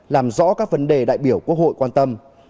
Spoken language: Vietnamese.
làm rõ các vấn đề đại biểu quốc hội quan tâm